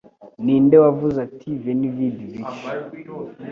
Ninde wavuze ati: "Veni, Vidi, Vici"